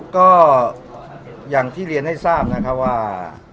ก็อย่างที่เรียนให้ทราบนะครับว่า